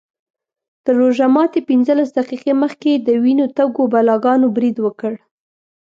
تر روژه ماتي پینځلس دقیقې مخکې د وینو تږو بلاګانو برید وکړ.